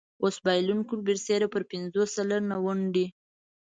اوس بایلونکی برسېره پر پنځوس سلنه ونډې.